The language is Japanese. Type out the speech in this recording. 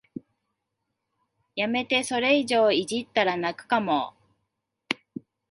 やめて、それ以上いじったら泣くかも